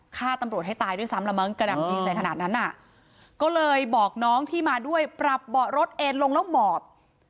ฆ่าตำรวจให้ตายด้วยซ้ำละมั้งกระดำยิงใส่ขนาดนั้นอ่ะก็เลยบอกน้องที่มาด้วยปรับเบาะรถเอ็นลงแล้วหมอบ